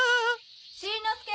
しんのすけ。